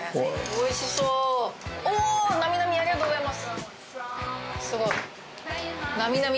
おいしそうおおっなみなみありがとうございます